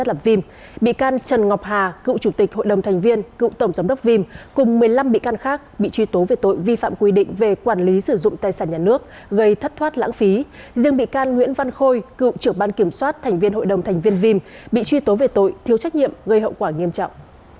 trần ngọc hà cựu trưởng ban kiểm soát thành viên hội đồng thành viên vim bị truy tố về tội thiếu trách nhiệm gây hậu quả nghiêm trọng